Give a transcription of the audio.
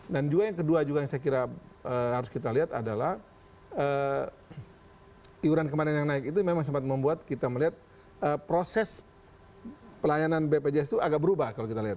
dan juga yang kedua juga yang saya kira harus kita lihat adalah iuran kemarin yang naik itu memang sempat membuat kita melihat proses pelayanan bpjs itu agak berubah kalau kita lihat